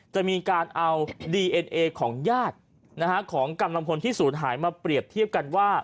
จะมีการเอาดีเอ็นเอของญาติของกำลังพลที่ศูนย์หายมาเปรียบเทียบกันว่า